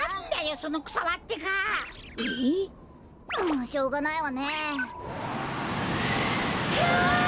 もうしょうがないわねえ。くっ！